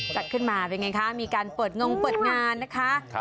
จัดขึ้นมาเป็นไงคะมีการเปิดงงเปิดงานนะคะ